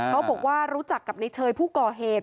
เขาบอกว่ารู้จักกับในเชยผู้ก่อเหตุ